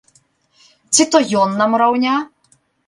Ці то ён нам раўня?